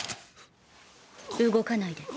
動かないで。